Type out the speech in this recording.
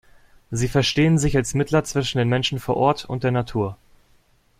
Sie verstehen sich als Mittler zwischen den Menschen vor Ort und der Natur.